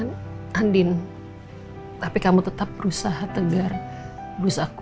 kaman yang kemarin ini sudah gak ada lagi